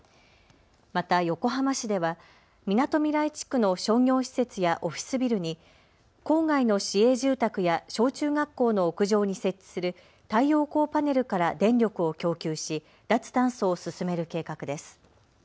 また、横浜市ではみなとみらい地区の商業施設やオフィスビルに郊外の市営住宅や小中学校の屋上に設置する太陽光パネルから電力を供給し脱炭素を進める計画です。